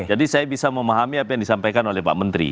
jadi saya bisa memahami apa yang disampaikan oleh pak menteri